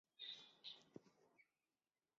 越谷湖城站武藏野线的铁路车站。